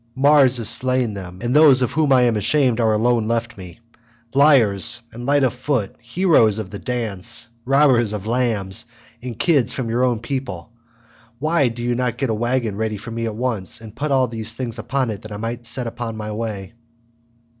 Mars has slain them and those of whom I am ashamed are alone left me. Liars, and light of foot, heroes of the dance, robbers of lambs and kids from your own people, why do you not get a waggon ready for me at once, and put all these things upon it that I may set out on my way?"